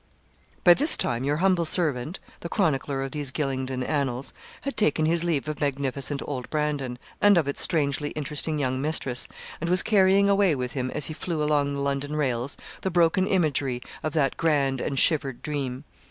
By this time your humble servant, the chronicler of these Gylingden annals, had taken his leave of magnificent old Brandon, and of its strangely interesting young mistress and was carrying away with him, as he flew along the London rails, the broken imagery of that grand and shivered dream.